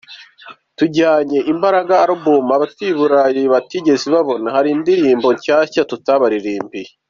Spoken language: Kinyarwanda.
Tujyanye ’Imbaraga Album’ abatuye i Burayi batigeze babona, hari indirimbo nshyashya tutabaririmbiye.